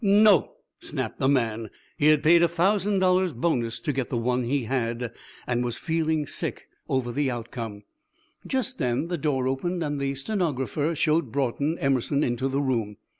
"No," snapped the man. He had paid a thousand dollar bonus to get the one he had; and was feeling sick over the outcome. Just then the door opened and the stenographer showed Broughton Emerson into the room.